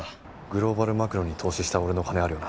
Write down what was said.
グローバルマクロに投資した俺の金あるよな？